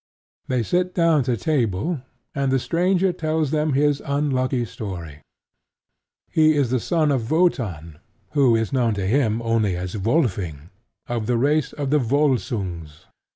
They sit down to table; and the stranger tells them his unlucky story. He is the son of Wotan, who is known to him only as Wolfing, of the race of the Volsungs.